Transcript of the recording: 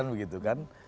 kan begitu kan